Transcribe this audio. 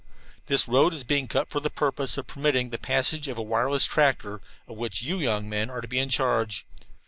"This road is being cut for the purpose of permitting the passage of a wireless tractor, of which you men are to be in charge.